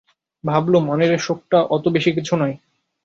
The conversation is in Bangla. ভাবলুম, অনিলের শোকটা তত বেশি কিছু নয়।